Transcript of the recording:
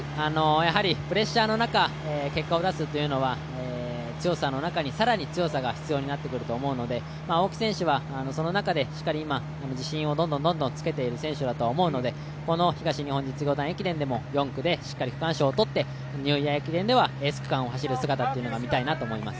プレッシャーの中、結果を出すというのは、強さの中に更に強さが必要になってくると思うので、青木選手はその中でしっかり今、自信をどんどんつけている選手だと思うのでこの東日本実業団駅伝でも４区でしっかり区間賞を取ってニューイヤー駅伝ではエース区間を走る姿が見たいなと思います。